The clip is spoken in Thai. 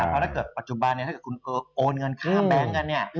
เพราะถ้าเกิดปัจจุบันเนี่ยถ้าเกิดคุณโอนเงินค่าแบงค์กันเนี่ย